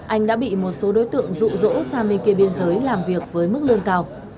anh đã bị một số đối tượng rụ rỗ sang bên kia biên giới làm việc với mức lương cao